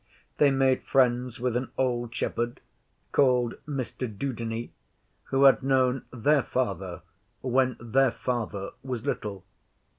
They made friends with an old shepherd, called Mr Dudeney, who had known their Father when their Father was little.